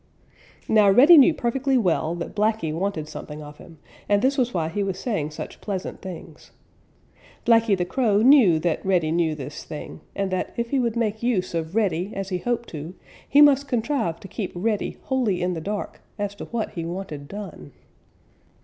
Now Reddy knew perfectly well that Blacky wanted something of him, and this was why he was saying such pleasant things. Blacky the Crow knew that Reddy knew this thing, and that if he would make use of Reddy as he hoped to, he must contrive to keep Reddy wholly in the dark as to what he wanted done.